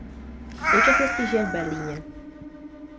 V současnosti žije v Berlíně.